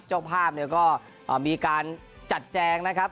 เจ้าภาพเนี่ยก็มีการจัดแจงนะครับ